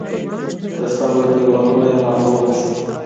د صبر دېوالونه یې ماتول غوښتل.